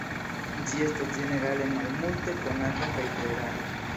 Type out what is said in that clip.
Ĝi estas ĝenerale malmulte konata kaj tre rara.